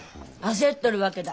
焦っとるわけだ。